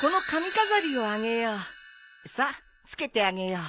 さあ付けてあげよう。